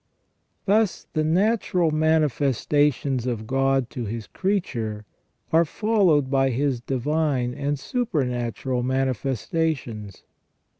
Thus the natural manifestations of God to His creature are followed by His divine and supernatural manifestations.